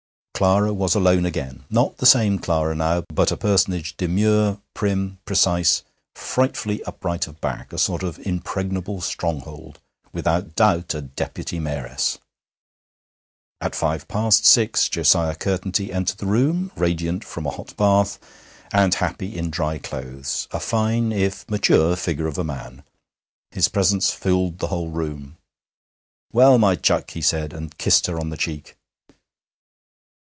Clara was alone again; not the same Clara now, but a personage demure, prim, precise, frightfully upright of back a sort of impregnable stronghold without doubt a Deputy Mayoress. At five past six Josiah Curtenty entered the room, radiant from a hot bath, and happy in dry clothes a fine, if mature, figure of a man. His presence filled the whole room. 'Well, my chuck!' he said, and kissed her on the cheek.